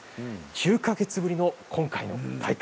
９か月ぶりの今回の大会